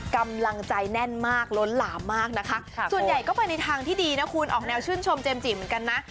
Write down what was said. กำลังใจแน่นมากล้นหลามมากนะคะส่วนใหญ่ก็ไปในทางที่ดีนะคุณออกแนวชื่นชมเจมสจิเหมือนกันนะ